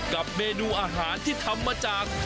กับเมนูอาหารที่ทำมาจาก